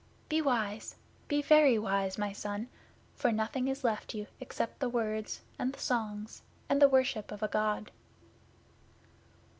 Be wise be very wise, my son, for nothing is left you except the words, and the songs, and the worship of a God."